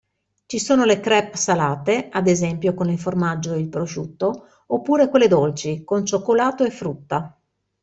Ci sono le crêpe salate, ad esempio con il formaggio e il prosciutto, oppure quelle dolci, con cioccolato e frutta.